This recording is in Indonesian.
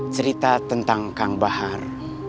cerita tentang kang bahar